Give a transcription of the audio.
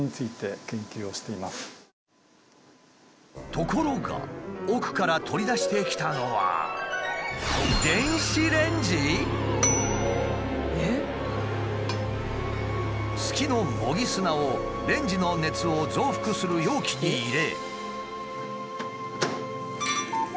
ところが奥から取り出してきたのは月の模擬砂をレンジの熱を増幅する容器に入れ。